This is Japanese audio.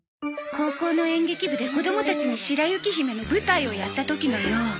高校の演劇部で子供たちに『白雪姫』の舞台をやった時のよ。